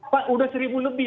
pak udah seribu lebih